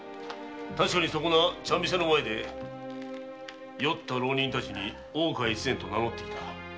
確かにそこの茶店の前で酔った浪人たちに大岡越前と名のった。